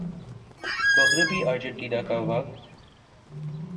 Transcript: مغربی ارجنٹینا کا وقت